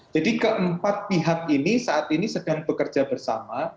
jadi keempat pihak ini saat ini sedang bekerja bersama